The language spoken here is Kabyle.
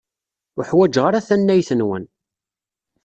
Ur ḥwajeɣ ara tannayt-nwen.